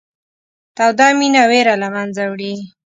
توده مینه وېره له منځه وړي.